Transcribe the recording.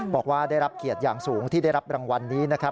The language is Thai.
บอกว่าได้รับเกียรติอย่างสูงที่ได้รับรางวัลนี้นะครับ